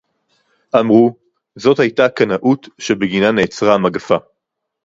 אמרו: זאת היתה קנאות שבגינה נעצרה המגפה